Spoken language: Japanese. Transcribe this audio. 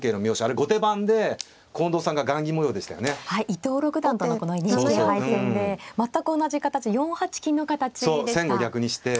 伊藤六段とのこのＮＨＫ杯戦で全く同じ形で４八金の形でした。